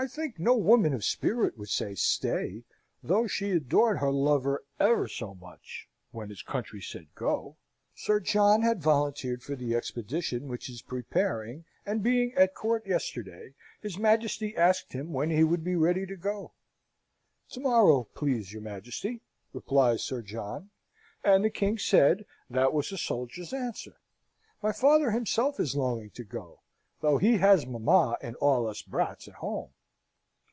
"I think no woman of spirit would say 'Stay!' though she adored her lover ever so much, when his country said 'Go!' Sir John had volunteered for the expedition which is preparing, and being at court yesterday his Majesty asked him when he would be ready to go? 'Tomorrow, please your Majesty,' replies Sir John, and the king said, that was a soldier's answer. My father himself is longing to go, though he has mamma and all us brats at home.